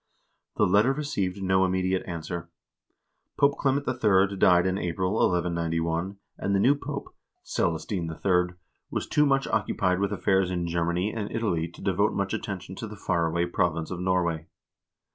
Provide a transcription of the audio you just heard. The letter received no immediate answer. Pope Clement III. died in April, 1191, and the new Pope, Celestine III., was too much occupied with affairs in Germany and Italy to devote much attention to the far away prov ince of Norway.